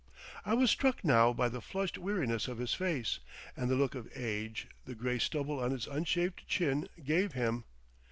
I was struck now by the flushed weariness of his face, and the look of age the grey stubble on his unshaved chin gave him.